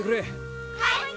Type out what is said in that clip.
はい。